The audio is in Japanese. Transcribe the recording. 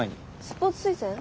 スポーツ推薦？